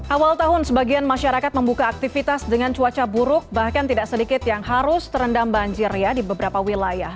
awal tahun sebagian masyarakat membuka aktivitas dengan cuaca buruk bahkan tidak sedikit yang harus terendam banjir ya di beberapa wilayah